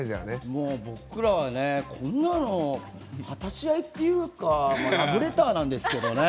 もう僕らはねこんなの果たし合いっていうかラブレターなんですけどね。